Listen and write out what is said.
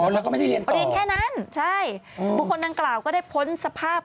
แล้วก็ไม่ได้เรียนแค่นั้นใช่บุคคลดังกล่าวก็ได้พ้นสภาพ